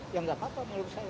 ya nggak apa apa menurut saya